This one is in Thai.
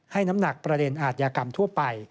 น้ำหนักประเด็นอาทยากรรมทั่วไป